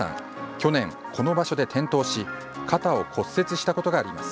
去年この場所で転倒し肩を骨折したことがあります。